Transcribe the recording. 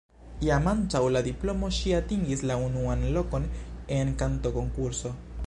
Jam antaŭ la diplomo ŝi atingis la unuan lokon en kantokonkurso.